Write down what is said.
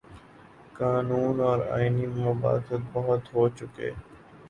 قانونی اور آئینی مباحث بہت ہو چکے۔